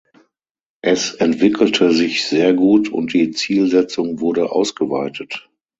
Es entwickelte sich sehr gut und die Zielsetzung wurde ausgeweitet.